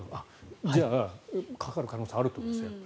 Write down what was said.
じゃあ、かかる可能性はあるということですね。